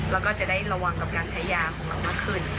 แล้วก็จะได้ระวังกับการใช้ยาของเรามากขึ้น